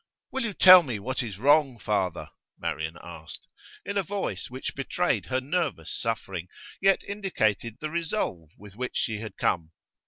'Will you tell me what is wrong, father?' Marian asked, in a voice which betrayed her nervous suffering, yet indicated the resolve with which she had come.